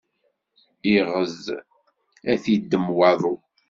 Iɣed, ad t-iddem waḍu.